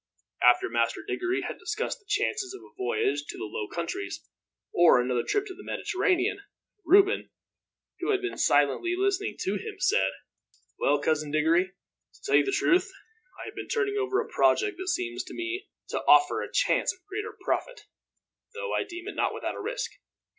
After Master Diggory had discussed the chances of a voyage to the low countries, or another trip to the Mediterranean, Reuben, who had been silently listening to him, said: "Well, Cousin Diggory, to tell you the truth, I have been turning over a project that seems to me to offer a chance of greater profit, though I deem it not without risk.